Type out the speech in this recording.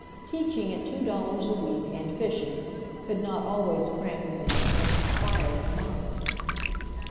Teaching at two dollars a week, and fishing, could not always cramp a man of such aspiring mind.